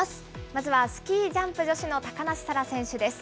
まずはスキージャンプ女子の高梨沙羅選手です。